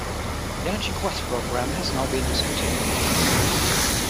The Energy Quest program has now been discontinued.